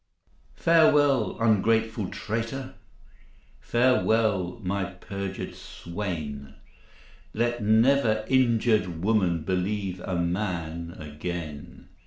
FAREWELL, ungrateful traitor! Farewell, my perjur'd swain! Let never injur'd woman Believe a man again.